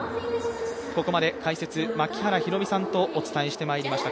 ここまで解説、槙原寛己さんとお伝えしてまいりました。